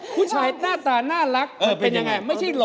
ผู้ชายหน้าตาน่ารักเป็นยังไงไม่ใช่เหรอ